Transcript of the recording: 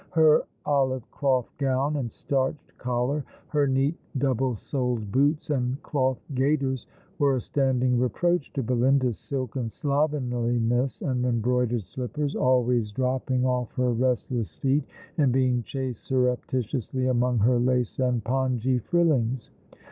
Her olive cloth gown and starched collar, her neat double soled boots and cloth gaiters, were a standing reproach to Belinda's silken slovenliness and embroidered slippers, always dropping off her restless feet, and being chased surreptitiously among her lace and pongee frillings.